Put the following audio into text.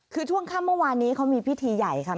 คือช่วงค่ำเมื่อวานนี้เขามีพิธีใหญ่ค่ะ